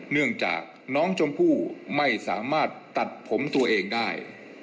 เนื่องจากน้องชมพู่ไม่สามารถตัดผมตัวเองได้